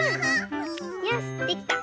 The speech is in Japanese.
よしできた！